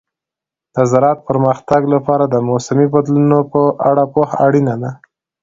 د زراعت پرمختګ لپاره د موسمي بدلونونو په اړه پوهه اړینه ده.